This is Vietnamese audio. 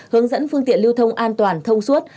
hướng dẫn phương tiện lưu thông an toàn thông suốt